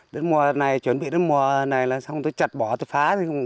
đến mùa này chuẩn bị đến mùa này là xong tôi chặt bỏ tôi phá